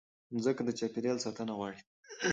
مځکه د چاپېریال ساتنه غواړي.